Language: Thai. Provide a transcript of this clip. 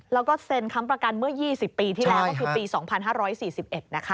แล้วก็เซ็นค้ำประกันเมื่อ๒๐ปีที่แล้วก็คือปี๒๕๔๑นะคะ